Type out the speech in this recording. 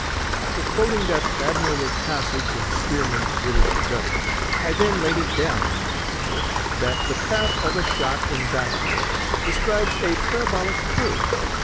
After quoting that admirable passage in 'Spearman's British Gunner,' I then laid it down, you remember, that the path of a shot in vacuo describes a parabolic curve.